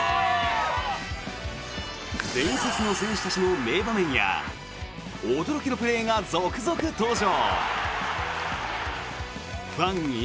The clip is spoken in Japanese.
伝説の選手たちの名場面や驚きのプレーが続々登場！